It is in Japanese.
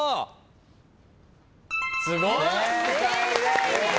正解です。